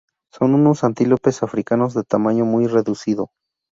Son unos antílopes africanos de tamaño muy reducido.